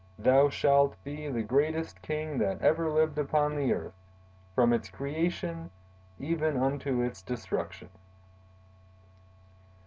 Thou shalt be the greatest king that ever lived upon earth, from its creation even unto its destruction.